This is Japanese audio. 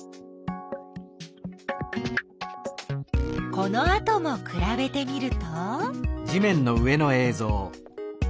このあともくらべてみると？